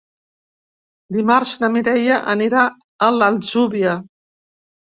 Dimarts na Mireia anirà a l'Atzúbia.